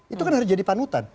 itu kan harus jadi panutan